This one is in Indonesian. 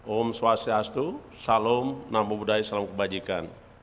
om swastiastu salam nampu budaya salam kebajikan